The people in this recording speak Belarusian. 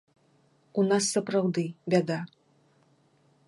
У нас, сапраўды, бяда.